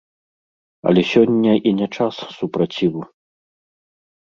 Але сёння і не час супраціву.